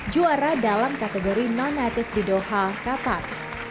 juara dalam kategori non native di doha qatar